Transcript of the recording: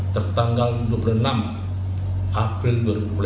tertanggal dua puluh enam april dua ribu delapan belas